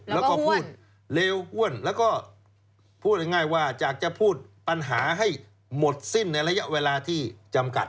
แล้วก็พูดเลวอ้วนแล้วก็พูดง่ายว่าจากจะพูดปัญหาให้หมดสิ้นในระยะเวลาที่จำกัด